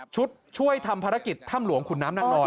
ช่วยทำภารกิจถ้ำหลวงขุนน้ำนางนอน